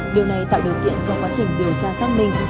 điều này tạo điều kiện cho quá trình điều tra xác minh